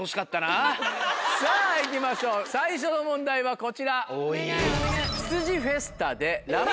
さぁ行きましょう最初の問題はこちら。